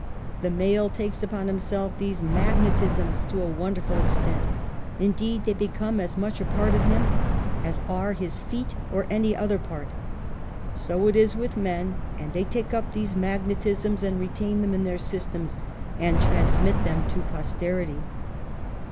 The male takes upon himself these magnetisms to a wonderful extent, indeed they become as much a part of him as are his feet or any other part. So is it with men, and they take up these magnetisms and retain them in their systems, ; and transmit them to posterity.